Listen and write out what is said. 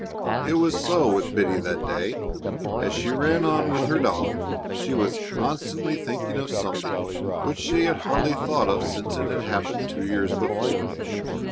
It was so with Biddy that day. As she ran on with her doll she was constantly thinking of something which she had hardly thought of since it had happened two years before.